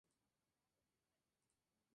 El el club oficialmente cierra operaciones.